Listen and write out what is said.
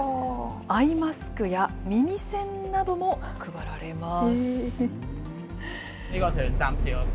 アイマスクや耳栓なども配られます。